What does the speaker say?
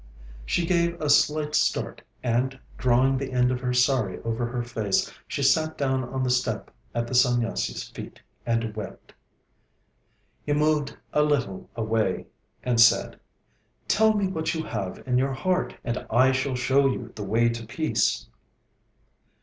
She gave a slight start, and, drawing the end of her sári over her face, she sat down on the step at the Sanyasi's feet, and wept. He moved a little away, and said: 'Tell me what you have in your heart, and I shall show you the way to peace.'